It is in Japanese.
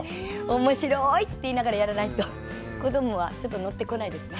「面白い」って言いながらやらないと子どもはちょっとのってこないですね。